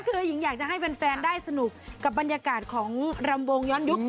คือหญิงอยากจะให้แฟนได้สนุกกับบรรยากาศของรำวงย้อนยุค